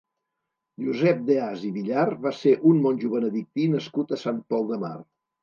Josep Deàs i Villar va ser un monjo benedictí nascut a Sant Pol de Mar.